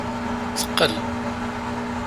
Teqqel.